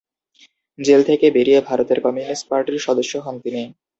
Jail থেকে বেরিয়ে ভারতের কমিউনিস্ট পার্টির সদস্য হন তিনি।